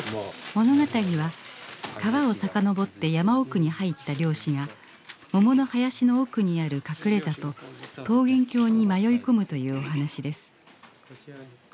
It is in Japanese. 物語は川を遡って山奥に入った漁師が桃の林の奥にある隠れ里桃源郷に迷い込むというお話です。